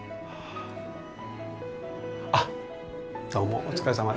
あっどうもお疲れさまでした。